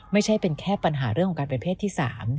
ไม่ใช่เป็นแค่ปัญหาเรื่องของการเป็นเพศที่๓